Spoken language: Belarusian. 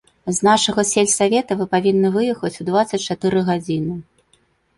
З нашага сельсавета вы павінны выехаць у дваццаць чатыры гадзіны.